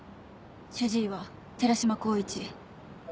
主治医は寺島光一。